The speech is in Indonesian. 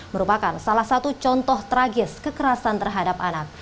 merupakan salah satu contoh tragis kekerasan terhadap anak